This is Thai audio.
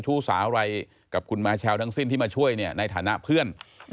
ทั้งสิ้นที่มาช่วยในฐานะเพื่อน